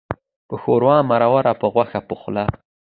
په ښوروا مروره، په غوښه پخلا.